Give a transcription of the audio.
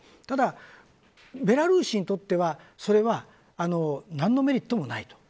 ただ、ベラルーシにとってはそれは何のメリットもない。